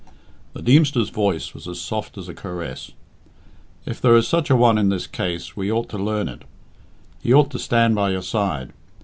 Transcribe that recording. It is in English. The Deemster's voice was as soft as a caress. "If there is such a one in this case, we ought to learn it. He ought to stand by your side.